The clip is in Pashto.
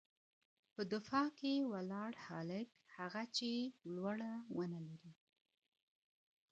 _په دفاع کې ولاړ هلک، هغه چې لوړه ونه لري.